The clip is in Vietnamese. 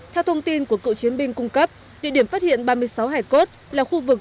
theo thông tin của cựu chiến binh cung cấp địa điểm phát hiện ba mươi sáu hải cốt là khu vực